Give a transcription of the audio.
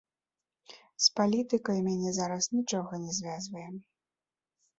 З палітыкай мяне зараз нічога не звязвае.